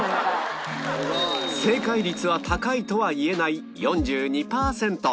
正解率は高いとは言えない４２パーセント